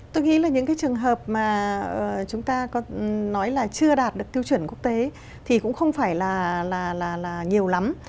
tôi nghĩ là những cái trường hợp mà chúng ta nói là chưa đạt được tiêu chuẩn quốc tế thì cũng không phải là nhiều lắm